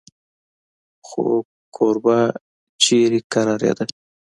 خو کوربه چېرته کرارېده.